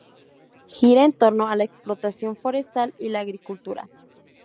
Gira en torno a la explotación forestal y la agricultura.